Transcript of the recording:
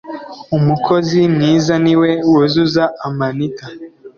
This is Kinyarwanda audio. umukozi mwiza niwe wuzuza amanita.